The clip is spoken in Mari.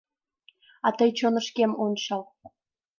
А тый чонышкем ончал!